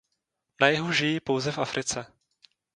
Na jihu žijí pouze v Africe.